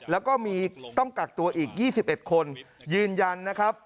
แล้วก็มีต้องกักตัวอีก๒๑คนยืนยันนะครับ